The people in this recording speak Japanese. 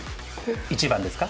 １番ですか？